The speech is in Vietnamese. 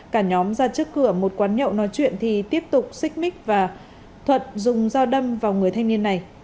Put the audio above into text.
cả nhóm ra trước cửa một quán nhậu nói chuyện thì tiếp tục xích mích và thuận dùng dao đâm vào người thanh niên này